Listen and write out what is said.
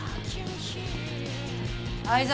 愛沢。